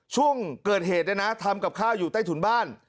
ช่วงเกิดเหตุเนี่ยนะทำกับข้าวอยู่ใต้ถุนบ้าน